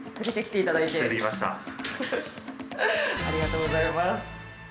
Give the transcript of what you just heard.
ありがとうございます。